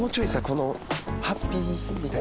このハッピーみたいな。